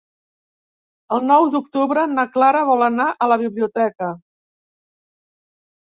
El nou d'octubre na Clara vol anar a la biblioteca.